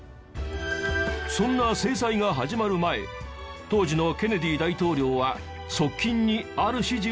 そんな制裁が始まる前当時のケネディ大統領は側近にある指示をしたそう。